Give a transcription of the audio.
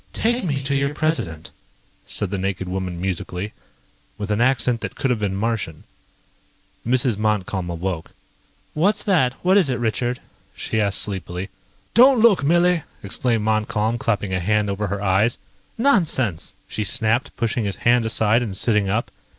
"Take me to your President," said the naked woman musically, with an accent that could have been Martian. Mrs. Montcalm awoke. "What's that? What is it, Richard?" she asked sleepily. "Don't look, Millie!" exclaimed Montcalm, clapping a hand over her eyes. "Nonsense!" she snapped, pushing his hand aside and sitting up.